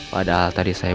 tidak ada yang bisa dikira